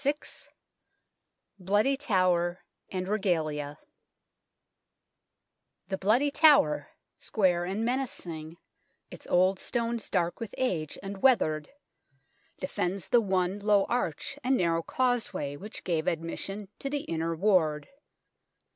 VI BLOODY TOWER AND REGALIA THE Bloody Tower, square and menacing, its old stones dark with age and weathered, defends the one low arch and narrow causeway which gave admission to the Inner Ward.